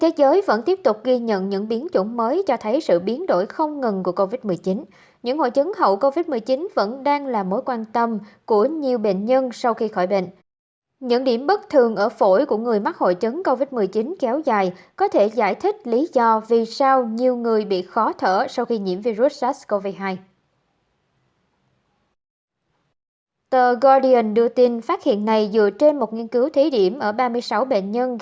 các bạn hãy đăng kí cho kênh lalaschool để không bỏ lỡ những video hấp dẫn